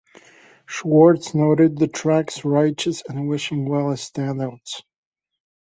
Schwartz noted the tracks "Righteous" and "Wishing Well" as standouts.